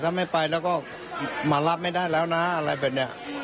ถ้าไม่ไปแล้วก็มารับไม่ได้แล้วนะอะไรแบบนี้